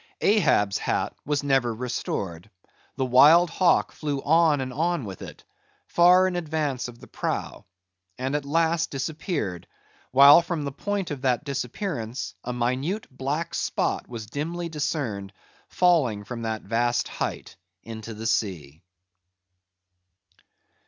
Ahab's hat was never restored; the wild hawk flew on and on with it; far in advance of the prow: and at last disappeared; while from the point of that disappearance, a minute black spot was dimly discerned, falling from that vast height into the sea.